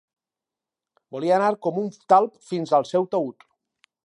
Volia anar com un talp fins al seu taüt.